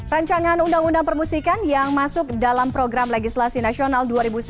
rancangan undang undang permusikan yang masuk dalam program legislasi nasional dua ribu sembilan belas